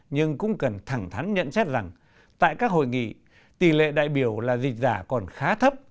nhưng cũng cần thẳng thắn nhận xét rằng tại các hội nghị tỷ lệ đại biểu là dịch giả còn khá thấp